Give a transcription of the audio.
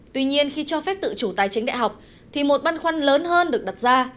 tuy nhiên khi cho phép tự chủ tài chính đại học thì một băn khoăn lớn hơn được đặt ra